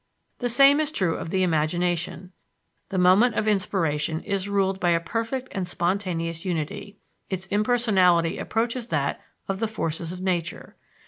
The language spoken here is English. The same is true of the imagination. The moment of inspiration is ruled by a perfect and spontaneous unity; its impersonality approaches that of the forces of Nature.